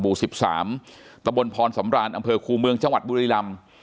บ๑๓ตพรสำรานอคูเมืองจบุรีลำ